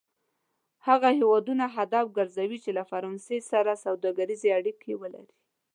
هغه هېوادونه هدف کرځوي چې له فرانسې سره سوداګریزې اړیکې ولري.